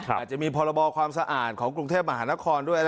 อาจจะมีพรบความสะอาดของกรุงเทพมหานครด้วย